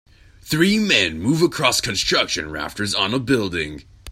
Three men move across construction rafters on a building.